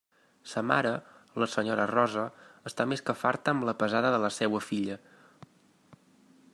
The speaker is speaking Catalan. Sa mare, la senyora Rosa, està més que farta amb la pesada de la seua filla.